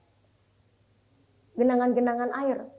jadi masih ada genangan genangan air